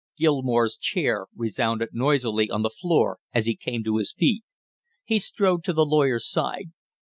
Gilmore's chair resounded noisily on the floor as he came to his feet. He strode to the lawyer's side.